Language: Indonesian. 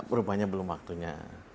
berupanya belum waktunya